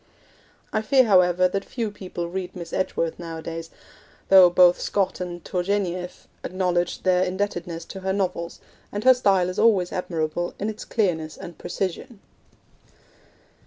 I fear, however, that few people read Miss Edgeworth nowadays, though both Scott and Tourgenieff acknowledged their indebtedness to her novels, and her style is always admirable in its clearness and precision.